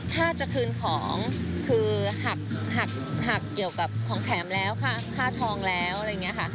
ถ้าจะคืนของคือหักหักเกี่ยวกับของแถมแล้วค่าทองแล้วอะไรอย่างนี้ค่ะ